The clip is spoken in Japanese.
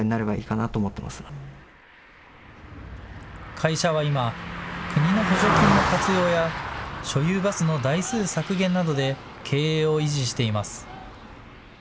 会社は今、国の補助金の活用や所有バスの台数削減などで経営を維持しています。